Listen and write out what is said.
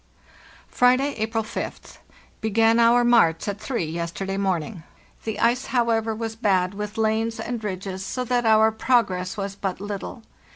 "Friday, April 5th. Began our march at three yes terday morning. The ice, however, was bad, with lanes and ridges, so that our progress was but little.